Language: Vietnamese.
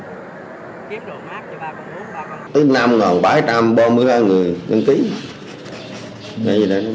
tới năm bảy trăm ba mươi ba người đơn ký